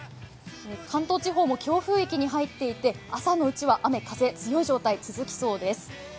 関東地方も強風域に入っていて朝のうちは雨・風強い状態が続きそうです。